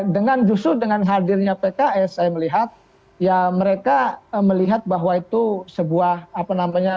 dengan justru dengan hadirnya pks saya melihat ya mereka melihat bahwa itu sebuah apa namanya